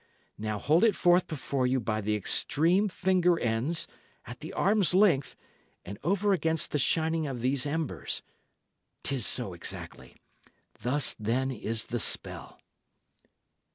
Now hold it forth before you by the extreme finger ends, at the arm's length, and over against the shining of these embers. 'Tis so exactly. Thus, then, is the spell."